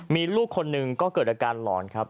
มีลูกคนหนึ่งก็เกิดอาการหลอนครับ